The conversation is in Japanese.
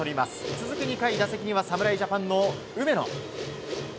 続く２回、打席には侍ジャパンの梅野。